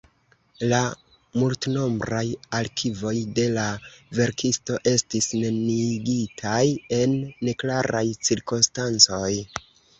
La multnombraj arkivoj de la verkisto estis neniigitaj en neklaraj cirkonstancoj.